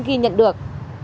ghi nhận được